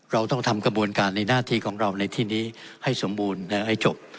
เราต้องทำกระบวนการในหน้าที่ของเราในที่นี้ให้สมบูรณ์ให้จบ